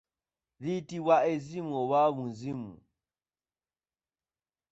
Liyitibwa ezzimu oba muzimu.